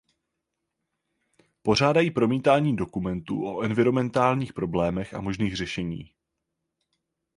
Pořádají promítání dokumentů o environmentálních problémech a možných řešení.